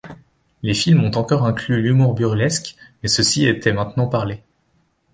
Les films ont encore inclus l'humour burlesque, mais ceux-ci étaient maintenant parlées.